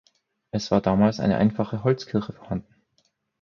Es war damals eine einfache Holzkirche vorhanden.